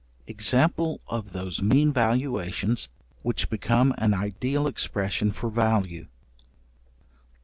Example of those mean valuations which become an ideal expression for value.